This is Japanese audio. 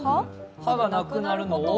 歯がなくなるのを？